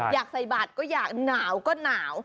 อยากใส่บัตรก็อยากหนาวก็หนาว